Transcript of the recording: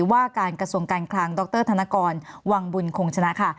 ว่าการกระทรวงการคลังดรธนกรวังบุญคงชนะค่ะ